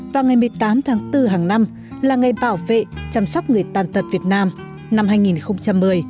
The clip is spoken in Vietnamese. và ngày một mươi tám tháng bốn hàng năm là ngày bảo vệ chăm sóc người tàn tật việt nam năm hai nghìn một mươi